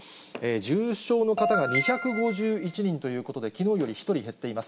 重症の方が２５１人ということで、きのうより１人減っています。